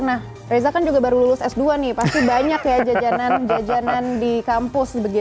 nah reza kan juga baru lulus s dua nih pasti banyak ya jajanan jajanan di kampus